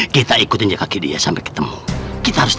kita ikutin di kaki dia sampai ketemu